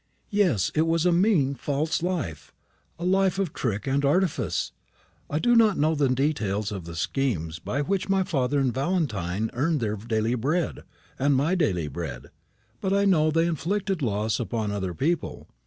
"Yes, it was a mean false life, a life of trick and artifice. I do not know the details of the schemes by which my father and Valentine earned their daily bread and my daily bread; but I know they inflicted loss upon other people.